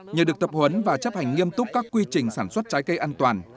nhờ được tập huấn và chấp hành nghiêm túc các quy trình sản xuất trái cây an toàn